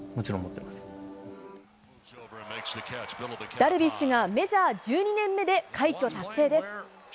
ダルビッシュがメジャー１２年目で快挙達成です。